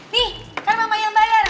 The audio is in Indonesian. nih kan mama yang bayar